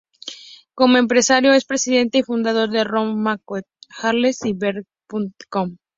Como empresario, es presidente y fundador de Room Mate Hotels y BeMate.com".